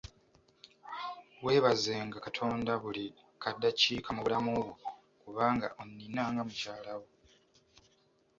Weebazenga Katonda buli kadakiika mu bulamu bwo kubanga onnina nga mukyala wo.